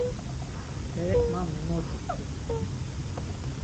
Berek ma memoditsu.